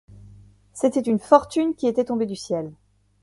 C’était une fortune qui était tombée du ciel.